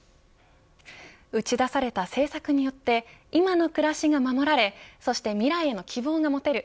打ち出された政策によって今の暮らしが守られそして未来への希望が持てる。